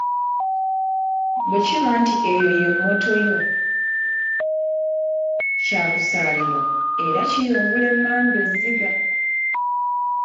Bwe kiba nti eyo ye “mmoto” yo, kyakusaalirwa era kiyungula emmandwa ezziga!